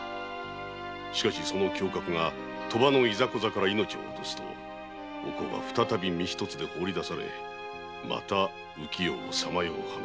しかし侠客が賭場のいざこざから命を落とすとお甲は再び身一つで放り出されまた浮世をさまよう羽目に。